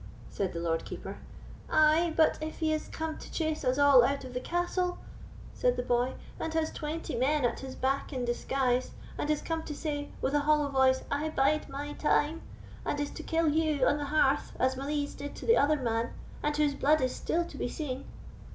said the Lord Keeper. "Ay; but if he is come to chase us all out of the castle," said the boy, "and has twenty men at his back in disguise; and is come to say, with a hollow voice, I bide my time; and is to kill you on the hearth as Malise did the other man, and whose blood is still to be seen!"